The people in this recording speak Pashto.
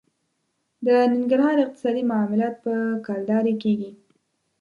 د ننګرهار اقتصادي معاملات په کلدارې کېږي.